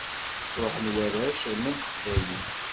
Ṛuḥen warrac rnant teḥdayin.